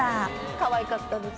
かわいかったです